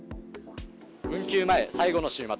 運休前最後の週末。